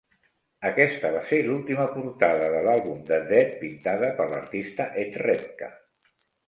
Aquesta va ser l'última portada de l'àlbum de Death pintada per l'artista Ed Repka.